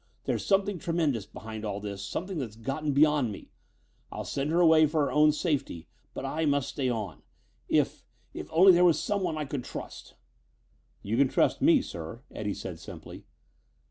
There's something tremendous behind all this, something that's gotten beyond me. I'll send her away for her own safety, but I must stay on. If if only there was someone I could trust " "You can trust me, sir," Eddie stated simply.